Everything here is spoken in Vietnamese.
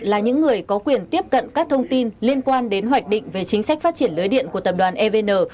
là những người có quyền tiếp cận các thông tin liên quan đến hoạch định về chính sách phát triển lưới điện của tập đoàn evn